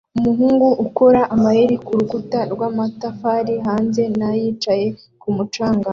Umuhungu ukora amayeri kurukuta rw'amatafari hamwe na yicaye kumu canga